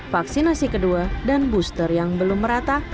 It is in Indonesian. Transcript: vaksinasi kedua dan booster yang belum merata